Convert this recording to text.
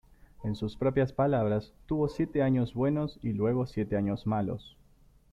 En sus propias palabras, tuvo siete años buenos y luego siete años malos.